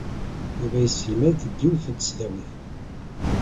Yuba yesselmad deg yiwet n tesdawit.